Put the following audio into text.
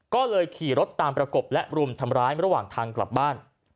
ก็เลยขี่รถตามประกบและรุมทำร้ายระหว่างทางกลับบ้าน